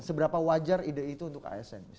seberapa wajar ide itu untuk asn